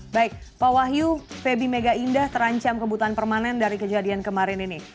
baik pak wahyu febi mega indah terancam kebutuhan permanen dari kejadian kemarin ini